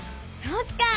そっか！